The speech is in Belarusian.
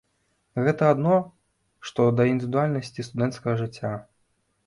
Гэта адно што да індывідуальнасці студэнцкага жыцця.